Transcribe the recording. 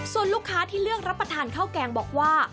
ส่วนลูกค้าที่เลือกรับประทานข้าวแกงบอกว่า